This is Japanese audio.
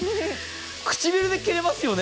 唇で切れますよね。